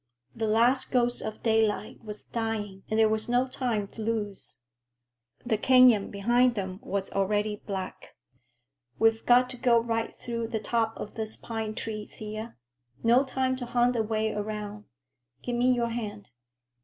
The last ghost of daylight was dying and there was no time to lose. The canyon behind them was already black. "We've got to go right through the top of this pine tree, Thea. No time to hunt a way around. Give me your hand."